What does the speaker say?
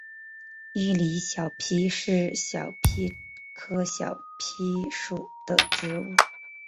伊犁小檗是小檗科小檗属的植物。